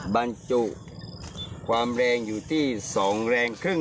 บรรจุความแรงอยู่ที่๒๕แรง